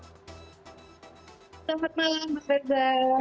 selamat malam pak feda